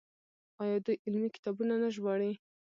آیا دوی علمي کتابونه نه ژباړي؟